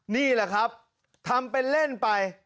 นี่แหละครับทำเป็นเล่นไป